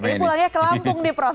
ini pulangnya ke lampung nih prof